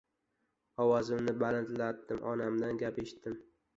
Ovozimni balandlatdim — onamizdan gap eshitdim: